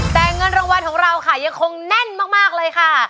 แต่เงินรางวัลของเราค่ะยังคงแน่นมากเลยค่ะ